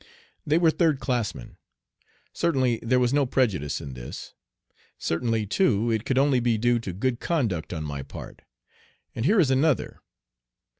They were third classmen. Certainly there was no prejudice in this. Certainly, too, it could only be due to good conduct on my part. And here is another.